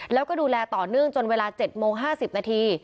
แล้วก็ดูแลต่อเนื่องจนเวลา๗โมง๕๐นาที